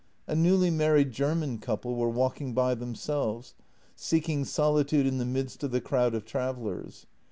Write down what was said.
A newly married German couple were walking by themselves, seeking solitude in the midst of the crowd of travellers.